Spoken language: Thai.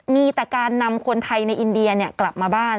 มีแต่การนำคนไทยในอินเดียกลับมาบ้าน